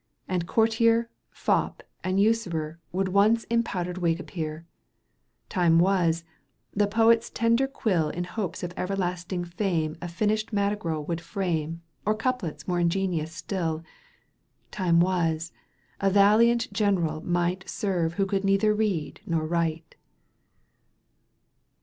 And courtier^ fop, and usurer 'Would once in powdered wig appear ; Time was, the poet's tender quill in hopes of everlasting fame A finished madrigal would &ame Or couplets more ingenious still ; Tune was^ a valiant general might Serve who could neither read nor write.